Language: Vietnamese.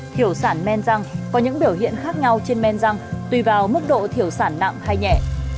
kiểu sản men răng có những biểu hiện khác nhau trên men răng tùy vào mức độ thiểu sản nặng hay nhẹ